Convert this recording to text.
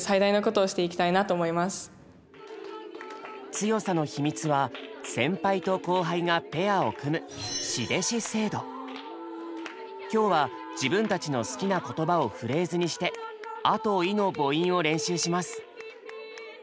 強さの秘密は先輩と後輩がペアを組む今日は自分たちの好きな言葉をフレーズにして「ア」と「イ」の母音を練習します。